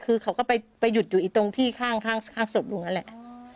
คือเขาก็ไปหยุดอยู่ตรงที่ข้างศพลุงนั่นแหละ